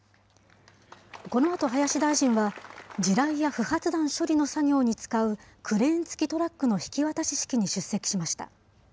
このあと林大臣は地雷や不発弾処理の作業に使うクレーン付きトラックの引き渡し式に出席しました。